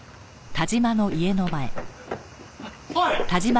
おい！